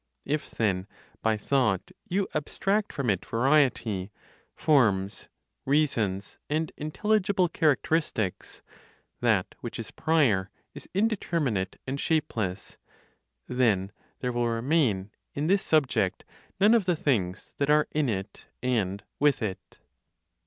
If then by thought you abstract from it variety, forms, reasons, and intelligible characteristics, that which is prior is indeterminate and shapeless; then there will remain in this (subject) none of the things that are in it and with it.